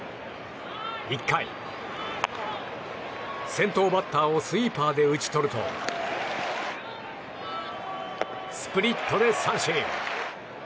１回、先頭バッターをスイーパーで打ち取るとスプリットで三振！